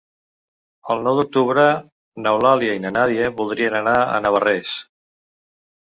El nou d'octubre n'Eulàlia i na Nàdia voldrien anar a Navarrés.